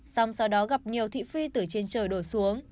xong sau đó gặp nhiều thị phi từ trên trời đổ xuống